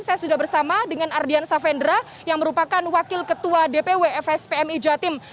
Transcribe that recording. saya sudah bersama dengan ardian savendra yang merupakan wakil ketua dpw fs pmi jatim